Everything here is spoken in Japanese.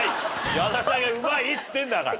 矢田さんがうまいっつってるんだから。